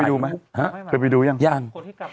เคยไปดูยังยัง